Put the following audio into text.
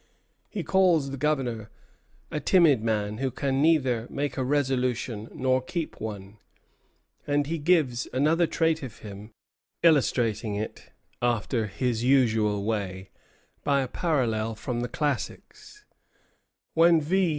He calls the Governor "a timid man, who can neither make a resolution nor keep one;" and he gives another trait of him, illustrating it, after his usual way, by a parallel from the classics: "When V.